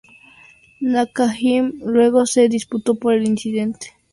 Nakajima luego se disculpó por el incidente.